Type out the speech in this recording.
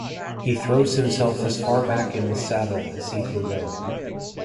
He throws himself as far back in the saddle as he can go.